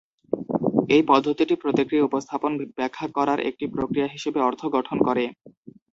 এই পদ্ধতিটি প্রতীকী উপস্থাপনা ব্যাখ্যা করার একটি প্রক্রিয়া হিসেবে 'অর্থ' গঠন করে।